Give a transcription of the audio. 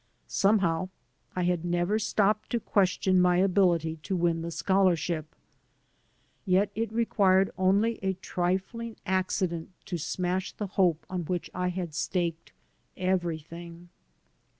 Somehow I had never stopped to question my ability to win the 185 AN AMERICAN IN THE MAKING scholarship. Yet it required only a trifling accident to smash the hope on which I had staked everything.